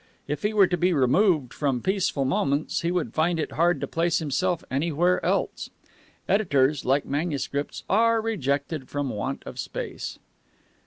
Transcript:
If he were to be removed from Peaceful Moments he would find it hard to place himself anywhere else. Editors, like manuscripts, are rejected from want of space.